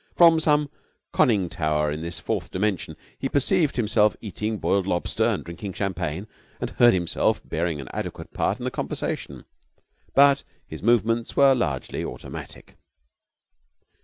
From some conning tower in this fourth dimension he perceived himself eating broiled lobster and drinking champagne and heard himself bearing an adequate part in the conversation; but his movements were largely automatic.